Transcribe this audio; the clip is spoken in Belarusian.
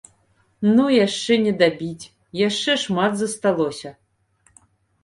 Ну, яшчэ не дабіць, яшчэ шмат засталося.